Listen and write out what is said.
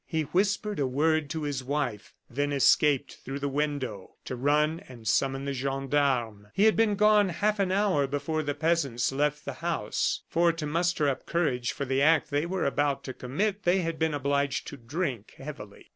He whispered a word to his wife, then escaped through the window to run and summon the gendarmes. He had been gone half an hour before the peasants left the house; for to muster up courage for the act they were about to commit they had been obliged to drink heavily.